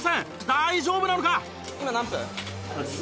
大丈夫なのか？